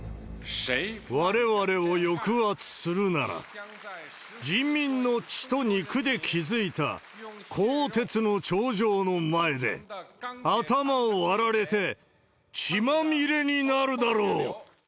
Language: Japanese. われわれを抑圧するなら、人民の血と肉で築いた鋼鉄の長城の前で、頭を割られて血まみれになるだろう。